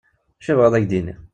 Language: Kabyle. D acu i tebɣiḍ ad ak-d-iniɣ?